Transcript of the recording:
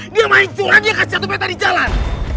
dia main curah dia kasih satu betta di jalan